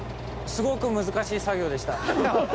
すごく難しい作業でした。